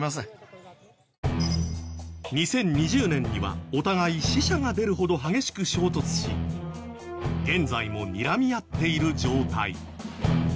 ２０２０年にはお互い死者が出るほど激しく衝突し現在もにらみ合っている状態。